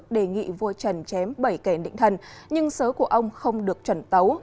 đề nghị vua trần chém bảy kẻ định thần nhưng sớ của ông không được chuẩn tấu